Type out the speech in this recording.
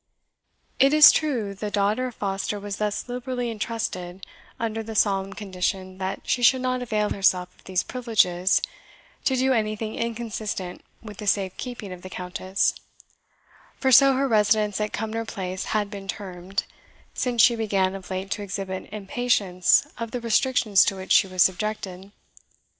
It is true the daughter of Foster was thus liberally entrusted under the solemn condition that she should not avail herself of these privileges to do anything inconsistent with the safe keeping of the Countess; for so her residence at Cumnor Place had been termed, since she began of late to exhibit impatience of the restrictions to which she was subjected.